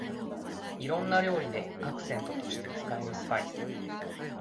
いろんな料理でアクセントとして使えるスパイス